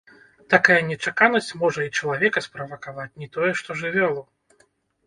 Такая нечаканасць можа і чалавека справакаваць, не тое што жывёлу.